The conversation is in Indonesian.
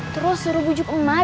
terus suruh bujuk emak